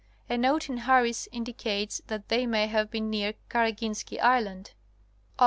A note in Harris indicates that they may have been near Karaginski Island. Aug.